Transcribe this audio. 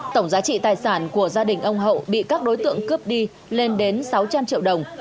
tổng giá trị tài sản của gia đình ông hậu bị các đối tượng cướp đi lên đến sáu trăm linh triệu đồng